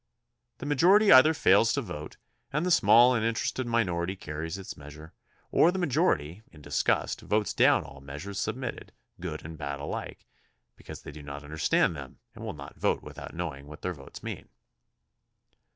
The majority either fails to vote, and the small and interested minority carries its measure, or the majority, in disgust, votes down all measures sub mitted, good and bad alike, because they do not un derstand them and will not vote without knowing what their votes mean.